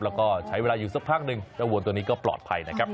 แล้วก็ใช้เวลาอยู่สักพักหนึ่งเจ้าวัวตัวนี้ก็ปลอดภัยนะครับ